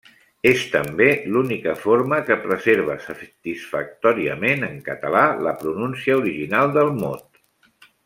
És, també, l'única forma que preserva satisfactòriament en català la pronúncia original del mot.